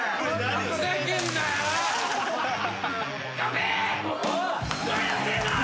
ふざけんなよ。